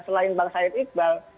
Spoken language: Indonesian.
selain bang said iqbal